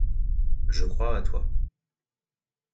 Je crois à toi.